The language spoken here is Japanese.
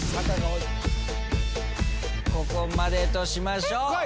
ここまでとしましょう。